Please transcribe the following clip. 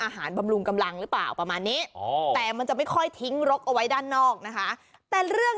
แต่ว่าเจ้ามะลิเนี่ยคลอดลูกมาแล้วบุ๊บ